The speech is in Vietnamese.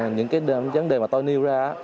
những cái vấn đề mà tôi nêu ra